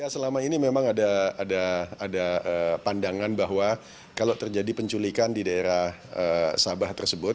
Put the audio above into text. selama ini memang ada pandangan bahwa kalau terjadi penculikan di daerah sabah tersebut